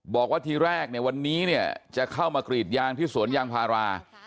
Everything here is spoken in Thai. บอกว่าทีแรกเนี่ยวันนี้เนี่ยจะเข้ามากรีดยางที่สวนยางพารา